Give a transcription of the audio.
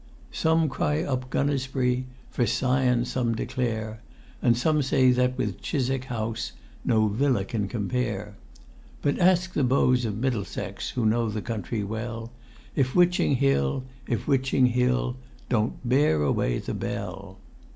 "Some cry up Gunnersbury, For Sion some declare, And some say that with Chiswick House No villa can compare; "But ask the beaux of Middlesex, Who know the country well, If Witching Hill if Witching Hill Don't bear away the bell."